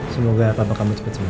semoga papa kamu cepat cepat